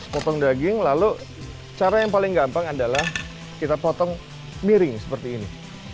potong daging lalu cara yang paling gampang adalah kita potong miring seperti ini